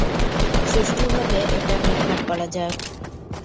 সুষ্ঠুভাবে এটা মিটমাট করা যাক।